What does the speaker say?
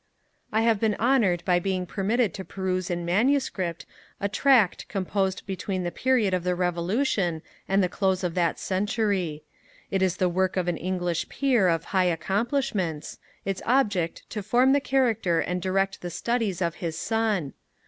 I have been honoured by being permitted to peruse in MS. a tract composed between the period of the Revolution and the close of that century. It is the Work of an English Peer of high accomplishments, its object to form the character and direct the studies of his son.